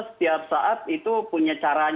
setiap saat itu punya cara